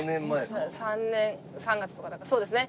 ３年３月とかだからそうですね。